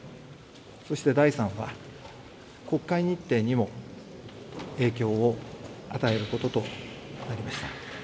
そして第３は、国会日程にも影響を与えることとなりました。